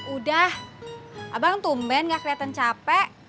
udah abang tumben gak keliatan capek